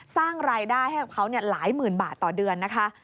สร้างรายได้ให้กับเขาหลายหมื่นบาทต่อเดือนนะคะ